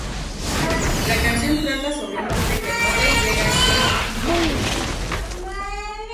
La canción trata sobre un hombre que muere y llega al cielo "muy temprano".